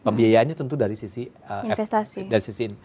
pembiayaannya tentu dari sisi investasi